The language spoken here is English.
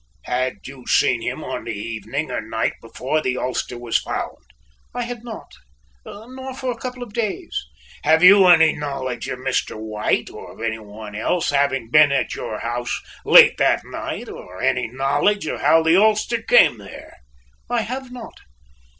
"Had you seen him on the evening or night before the ulster was found?" "I had not, nor for a couple of days." "Have you any knowledge of Mr. White or of any one else having been at your house late that night or any knowledge of how the ulster came there?" "I have not."